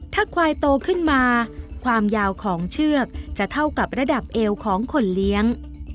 ถ้าควายโตขึ้นมาความยาวของเชือกจะเท่ากับระดับเอวของคนเลี้ยง